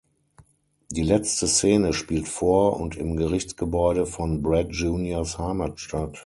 Die letzte Szene spielt vor und im Gerichtsgebäude von Brad juniors Heimatstadt.